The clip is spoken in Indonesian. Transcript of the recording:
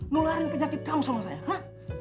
nularin penyakit kamu sama saya ha